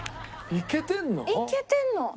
いけてんの！